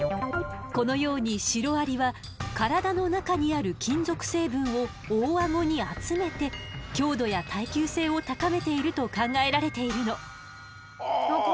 このようにシロアリは体の中にある金属成分を大アゴに集めて強度や耐久性を高めていると考えられているの。わ。